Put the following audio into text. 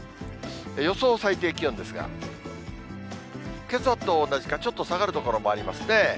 予想最低気温ですが、けさと同じか、ちょっと下がる所もありますね。